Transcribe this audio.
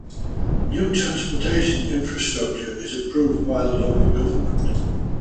New transportation infrastructure is approved by the local government.